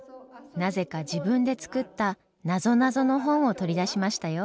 なぜか自分で作ったなぞなぞの本を取り出しましたよ。